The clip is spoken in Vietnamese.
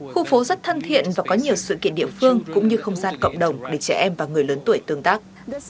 khu phố rất thân thiện và có nhiều sự kiện địa phương cũng như không gian cộng đồng để trẻ em và người lớn tuổi tương tác